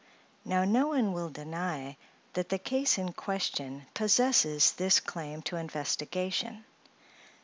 Now, no one will deny that the case in question possesses this claim to investigation.